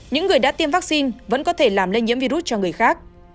những người đã tiêm vaccine vẫn có thể làm lây nhiễm virus cho người khác